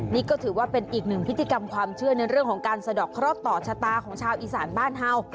นี่ก็ถือว่าเป็นอีกหนึ่งพิธีกรรมความเชื่อในเรื่องของการสะดอกเคราะห์ต่อชะตาของชาวอีสานบ้านเฮา